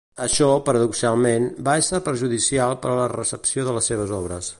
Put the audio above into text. Això, paradoxalment, va ésser perjudicial per a la recepció de les seves obres.